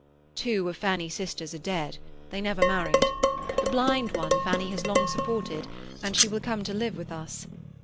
"Two of Fanny's sisters are dead; they never married. The blind one Fanny has long supported, and she will come to live with us.